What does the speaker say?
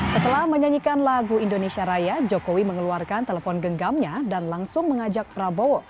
setelah menyanyikan lagu indonesia raya jokowi mengeluarkan telepon genggamnya dan langsung mengajak prabowo